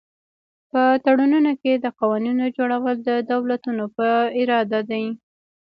په تړونونو کې د قوانینو جوړول د دولتونو په اراده دي